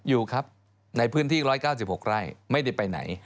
อยู่ครับในพื้นที่๑๙๖ไร่ไม่ได้ไปไหน